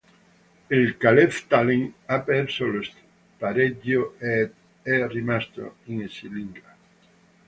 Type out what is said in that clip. Il Kalev Tallinn ha perso lo spareggio ed è rimasto in Esiliiga.